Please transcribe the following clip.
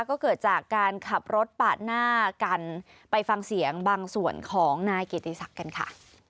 ก็เกิดจากการขับรถปาดหน้ากันไปฟังเสียงบางส่วนของนายเกียรติศักดิ์กันค่ะ